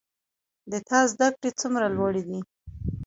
د تا زده کړي څومره لوړي دي